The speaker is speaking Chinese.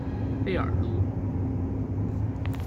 贝尔卢。